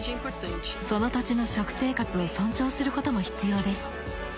その土地の食生活を尊重することも必要です。